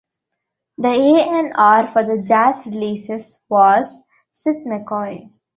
The A and R for the jazz releases was Sid McCoy.